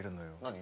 何？